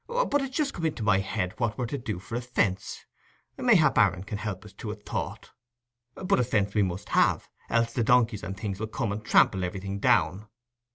But it's just come into my head what we're to do for a fence—mayhap Aaron can help us to a thought; but a fence we must have, else the donkeys and things 'ull come and trample everything down.